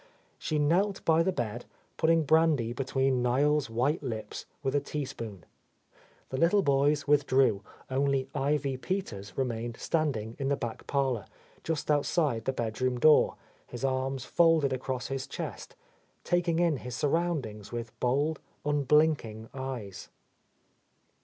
She knelt by the bed, putting brandy between Niel's white lips with a teaspoon. The little boys withdrew, only Ivy Peters remained standing in the back parlour, just outside the bedroom door, his arms folded across his chest, taking in his surroundings with bold, unblinking eyes.